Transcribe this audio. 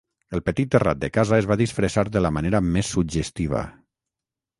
El petit terrat de casa es va disfressar de la manera més suggestiva.